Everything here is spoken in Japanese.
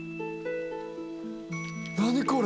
何これ？